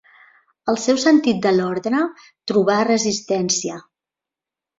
El seu sentit de l'ordre trobà resistència.